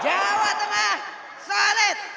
jawa tengah solid